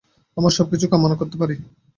আমরা সবকিছুই কামনা করিতে পারি।